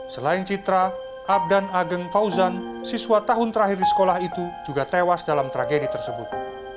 selain citra abdan ageng fauzan siswa tahun terakhir di sekolah itu juga tewas dalam tragedi tersebut